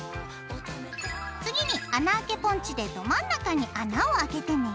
次に穴あけポンチでど真ん中に穴を開けてね。